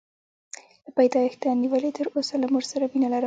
له پیدایښته نیولې تر اوسه له مور سره مینه لرم.